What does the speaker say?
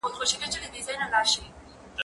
زه اوږده وخت لوبه کوم!؟